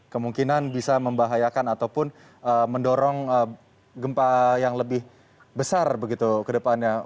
kemungkinan bisa membahayakan ataupun mendorong gempa yang lebih besar begitu ke depannya